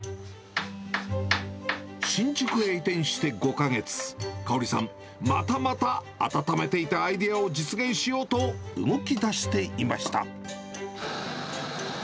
新宿へ移転して５か月、嘉織さん、またまた温めていたアイデアを実現しようと動き出していました。